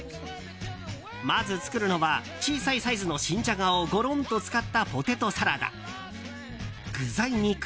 まず作るのは小さいサイズの新ジャガをごろんと使ったポテトサラダ。